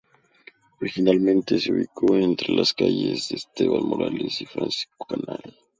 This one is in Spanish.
Originalmente se ubicó entre las calles de Esteban Morales y Francisco Canal.